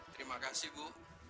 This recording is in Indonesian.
terima kasih bu